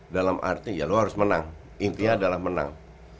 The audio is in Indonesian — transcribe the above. dalam arti ya lo harus menang intinya adalah menang